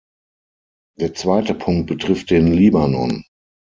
Der zweite Punkt betrifft den Libanon.